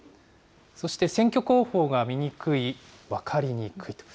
そして選挙公報が見にくい、分かりにくいと。